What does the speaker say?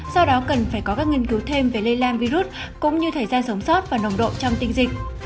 do đó cần phải có các nghiên cứu thêm về lây lan virus cũng như thời gian sống sót và nồng độ trong tinh dịch